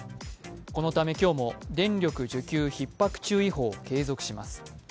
このため、今日も電力需給ひっ迫注意報を継続します。